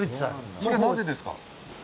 それはなぜですか？